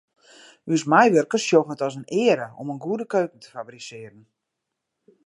Us meiwurkers sjogge it as in eare om in goede keuken te fabrisearjen.